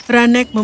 rane mematuhi ayam